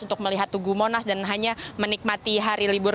untuk melihat tugu monas dan hanya menikmati hari libur